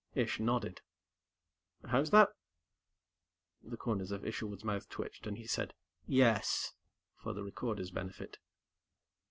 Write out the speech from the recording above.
Ish nodded. "How's that?" The corners of Isherwood's mouth twitched, and he said "Yes" for the recorder's benefit.